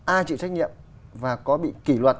ai chịu trách nhiệm và có bị kỷ luật